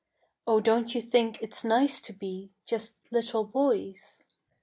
Oh don't you think it's nice to be Just little boys?